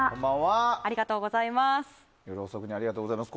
ありがとうございます。